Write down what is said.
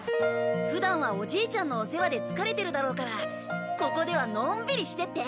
普段はおじいちゃんのお世話で疲れてるだろうからここではのんびりしていって！